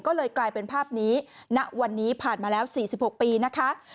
ก็เลยกลายเป็นภาพนี้ณวันนี้ผ่านมาแล้ว๔๖ปีนะคะ